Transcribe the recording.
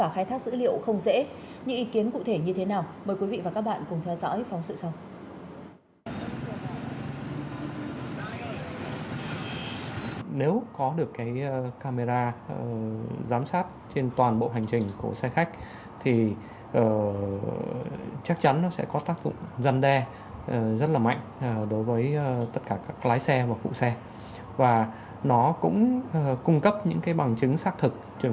khai thác dữ liệu không dễ những ý kiến cụ thể như thế nào mời quý vị và các bạn cùng theo dõi phóng sự sau